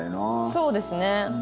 そうですね。